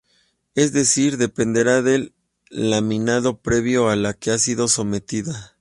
Es decir, dependerá del laminado previo a la que ha sido sometida.